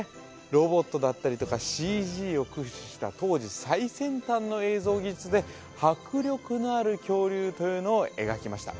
ロボットだったりとかＣＧを駆使した当時最先端の映像技術で迫力のある恐竜というのを描きました